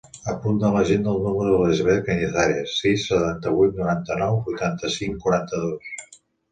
Apunta a l'agenda el número de l'Elisabeth Cañizares: sis, setanta-vuit, noranta-nou, vuitanta-cinc, quaranta-dos.